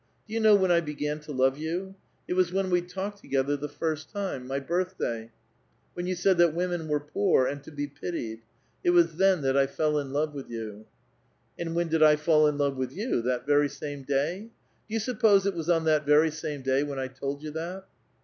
Do you know when I began to love you? It was when we talked together the first time, my birtliday ; when you said that women were poor, and to be pitied : it was then that I fell in love with you." " And wlien did 1 fall in love with you? That very same day ? Do you sup^x^se it was on that very same day when I told vou that?"